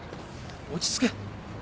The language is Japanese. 落ち着け。